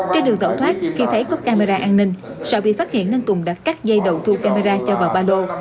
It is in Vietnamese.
trên đường tẩu thoát khi thấy có camera an ninh sợ bị phát hiện nên tùng đã cắt dây đầu thu camera cho vào ba lô